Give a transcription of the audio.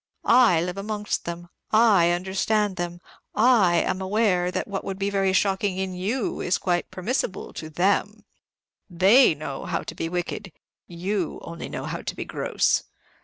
I live amongst them, I understand them, I am aware that what would be very shocking in you is quite permissible to them. They know how to be wicked; you only know how to be gross."